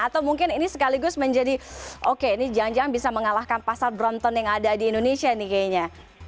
atau mungkin ini sekaligus menjadi oke ini jangan jangan bisa mengalahkan pasar bronton yang ada di indonesia nih kayaknya